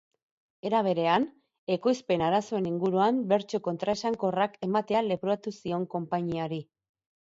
Era berean, ekoizpen arazoen inguruan bertsio kontraesankorrak ematea leporatu zion konpainiari.